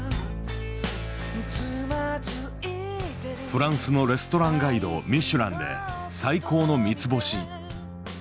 フランスのレストランガイド「ミシュラン」で最高の三つ星。